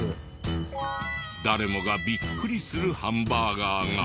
誰もがビックリするハンバーガーが。